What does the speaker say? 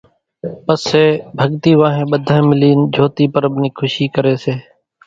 پسي ڀڳتي وانھين ٻڌانئين ملين جھوتي پرٻ نِي کُشي ڪري سي